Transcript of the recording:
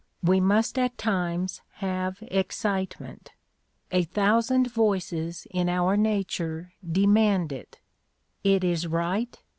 We must at times have excitement. A thousand voices in our nature demand it. It is right.